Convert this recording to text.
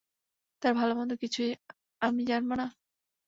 তার ভাল-মন্দ কিছুই আমি জানব না?